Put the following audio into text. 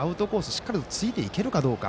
しっかりと突いていけるかどうか。